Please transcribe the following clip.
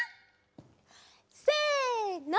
せの！